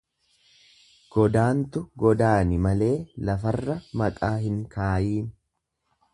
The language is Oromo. Godaantu godaani malee lafarra maqaa hin kaayiin.